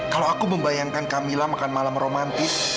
kalau aku membayangkan camilla makan malam romantis